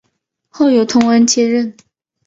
后由通恩接任。